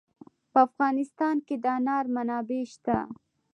په افغانستان کې د انار منابع شته.